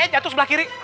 jantung sebelah kiri